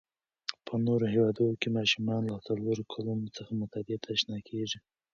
په نورو هیوادو کې ماشومان له څلورو کلونو څخه مطالعې ته آشنا کېږي.